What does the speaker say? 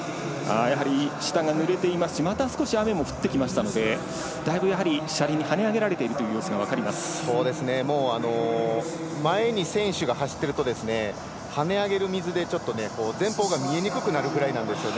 下がぬれていますしまた、少し雨が降ってきましたのでだいぶ車輪に跳ね上げられているという前に選手が走っていると跳ね上げる水で、前方が見えにくくなるぐらいなんですよね